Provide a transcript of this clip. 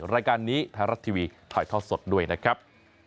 รายการนี้ไทยรัฐทีวีถ่ายทอดสดด้วยนะครับ